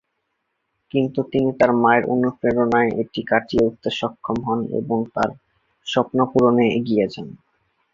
কিন্তু তিনি তার মায়ের অনুপ্রেরণায় এটি কাটিয়ে উঠতে সক্ষম হন এবং তার স্বপ্ন পূরণে এগিয়ে যান।